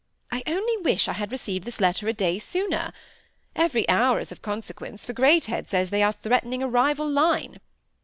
I only wish I had received this letter a day sooner. Every hour is of consequence, for Greathed says they are threatening a rival line.